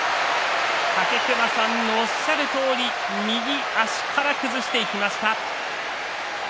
武隈さんのおっしゃるとおり右足から崩していきました。